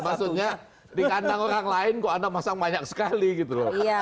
maksudnya di kandang orang lain kok anda masang banyak sekali gitu loh